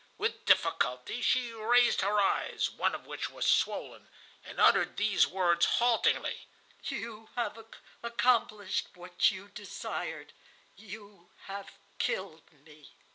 With difficulty she raised her eyes, one of which was swollen, and uttered these words haltingly: "'You have accomplished what you desired. You have killed me.